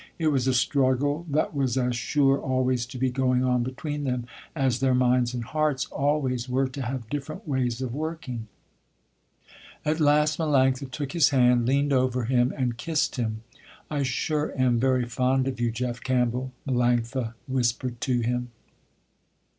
It was a struggle that was as sure always to be going on between them, as their minds and hearts always were to have different ways of working. At last Melanctha took his hand, leaned over him and kissed him. "I sure am very fond of you, Jeff Campbell," Melanctha whispered to him.